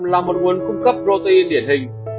là một nguồn cung cấp protein điển hình